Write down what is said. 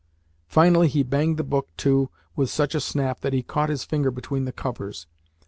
Finally he banged the book to with such a snap that he caught his finger between the covers.